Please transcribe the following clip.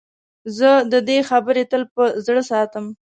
زه د ده خبرې تل په زړه ساتم.